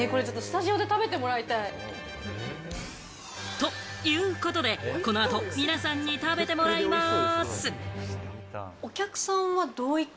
ということで、この後、皆さんに食べてもらいます。